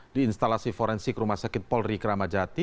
di instalasi forensik rumah sakit polri kramajati